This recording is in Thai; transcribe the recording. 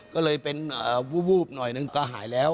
ก็เลยเป็นวูบหน่อยนึงก็หายแล้ว